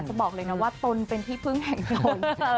บอกเลยนะว่าตนเป็นที่พึ่งแห่งตน